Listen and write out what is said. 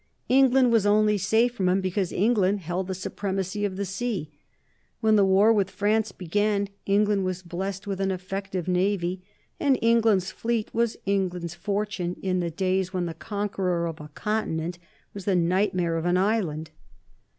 England was only safe from him because England held the supremacy of the sea. When the war with France began England was blessed with an effective navy, and England's fleet was England's fortune in the days when the conqueror of a continent was the nightmare of an island.